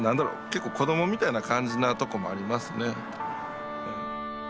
結構子どもみたいな感じなとこもありますね。